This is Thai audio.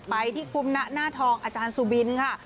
ไปที่คุมหน้าทองอาจารย์สุบินค่ะ